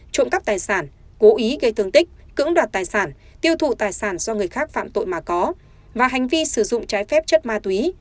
trộm cắp tài sản cố ý gây thương tích cưỡng đoạt tài sản tiêu thụ tài sản do người khác phạm tội mà có và hành vi sử dụng trái phép chất ma túy